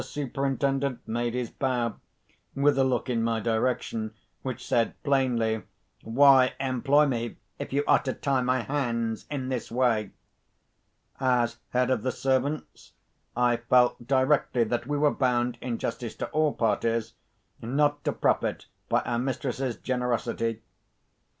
Superintendent made his bow, with a look in my direction, which said plainly, "Why employ me, if you are to tie my hands in this way?" As head of the servants, I felt directly that we were bound, in justice to all parties, not to profit by our mistress's generosity.